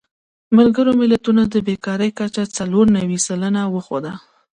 ملګرو ملتونو د بېکارۍ کچه څلور نوي سلنه وښوده.